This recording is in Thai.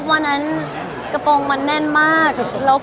วันนั้นกระโปรงมันแน่นมาก